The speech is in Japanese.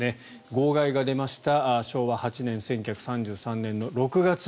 号外が出ました、昭和８年１９３３年６月１５日です。